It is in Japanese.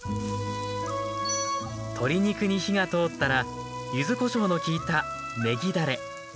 鶏肉に火が通ったら柚子こしょうのきいたねぎだれ。